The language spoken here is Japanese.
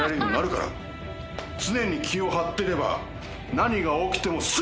常に気を張ってれば何が起きても。